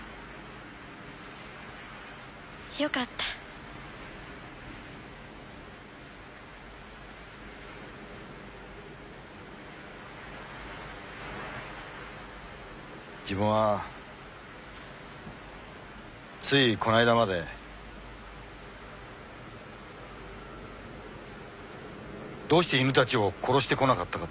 よかった自分はついこの間まで「どうして犬たちを殺してこなかったか」